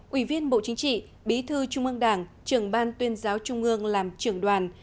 ủy viên bộ chính trị bí thư trung ương đảng trưởng ban tuyên giáo trung ương làm trưởng đoàn